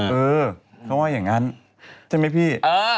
เออเขาว่าอย่างนั้นใช่ไหมพี่